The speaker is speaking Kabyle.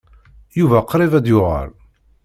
Yuba qrib ad d-yuɣal.